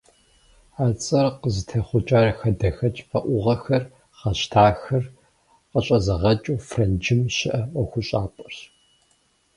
А цӏэр къызытехъукӏар хадэхэкӏ фӏэӏугъэхэр, гъэщтахэр къыщӏэзыгъэкӏыу Франджым щыӏэ ӏуэхущӏапӏэрщ.